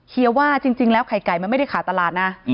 ว่าจริงแล้วไข่ไก่มันไม่ได้ขาดตลาดนะ